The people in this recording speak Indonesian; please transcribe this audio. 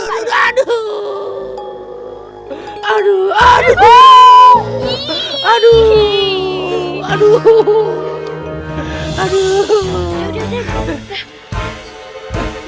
hai aduh aduh aduh aduh aduh aduh